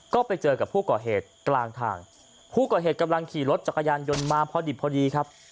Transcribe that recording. ก็ไปเจอกับผู้ก่อเหตุกลางทางผู้ก่อเหตุกำลังขี่รถจักรยานยนต์มาพอดิบพอดีครับ